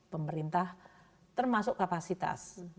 pemerintah termasuk kapasitas